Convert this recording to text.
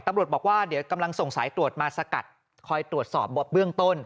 ตำรวจบอกว่าเดี๋ยวกำลังส่งสายตรวจมาสกัดคอยตรวจสอบเบื้องต้น